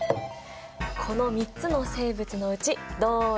この３つの生物のうちどれだ？